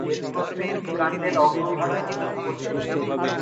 এর প্রত্যেকটি কাণ্ডের অগ্রভাগে ফুল ফোটে।